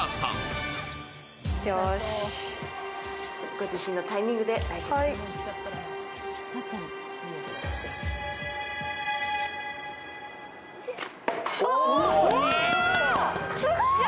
ご自身のタイミングで大丈夫です。